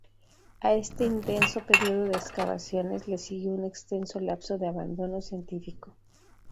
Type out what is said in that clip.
A este intenso periodo de excavaciones le siguió un extenso lapso de abandono científico.